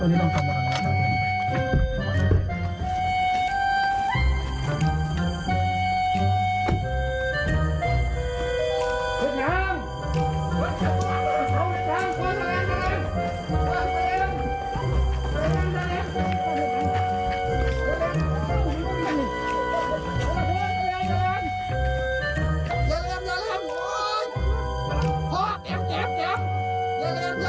เยี่ยม